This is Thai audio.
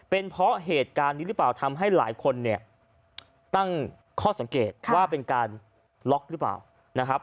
เป็นเพราะเหตุการณ์นี้หรือเปล่าทำให้หลายคนเนี่ยตั้งข้อสังเกตว่าเป็นการล็อกหรือเปล่านะครับ